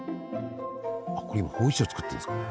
あっこれ今ほうじ茶作ってるんですかね？